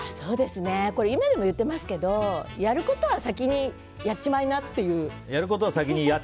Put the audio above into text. これは今でも言っていますけどやることは先にやっちまいなっていう。